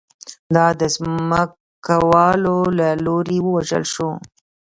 دا د ځمکوالو له لوري ووژل شو